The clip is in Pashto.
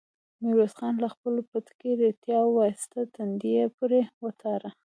ميرويس خان له خپل پټکي ريتاړه واېسته، تندی يې پرې وتاړه.